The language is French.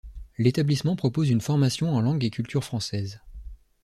L'établissement propose une formation en langue et cultures françaises.